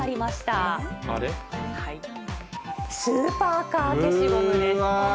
スーパーカー消しゴムです。